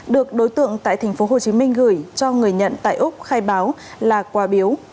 được đối tượng tại tp hcm gửi cho người nhận tại úc khai báo là quà biếu